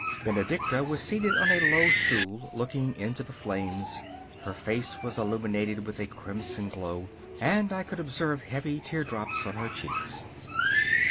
Benedicta was seated on a low stool, looking into the flames. Her face was illuminated with a crimson glow, and I could observe heavy tear drops on her cheeks.